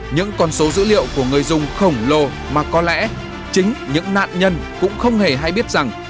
những con số dữ liệu của người dùng khổng lồ mà có lẽ chính những nạn nhân cũng không hề hay biết rằng